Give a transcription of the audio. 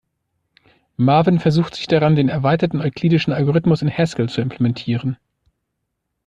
Marvin versucht sich daran, den erweiterten euklidischen Algorithmus in Haskell zu implementieren.